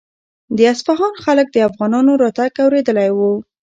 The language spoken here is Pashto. د اصفهان خلک د افغانانو راتګ اورېدلی و.